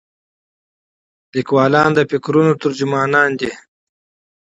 لیکوالان د فکرونو ترجمانان دي.